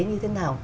như thế nào